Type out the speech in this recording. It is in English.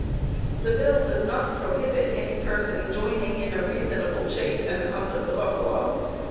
] This bill does not prohibit any person joining in a reasonable chase and hunt of the buffalo.